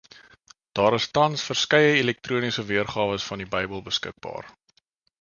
Daar is tans verskeie elektroniese weergawes van die Bybel beskikbaar